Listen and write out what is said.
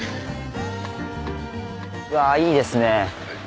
うわいいですね。